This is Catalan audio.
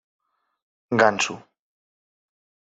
Gansu.